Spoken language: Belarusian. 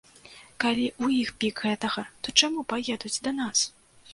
Калі ў іх пік гэтага, то чаму паедуць да нас?